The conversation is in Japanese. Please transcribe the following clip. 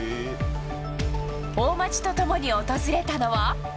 大町と共に訪れたのは。